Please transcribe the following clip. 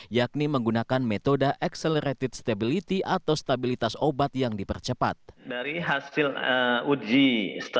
yakni menggunakan metode accelerated stability atau stabilitas obat yang dipercepat